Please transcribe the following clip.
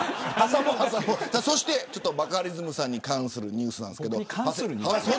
そしてバカリズムさんに関するニュースです。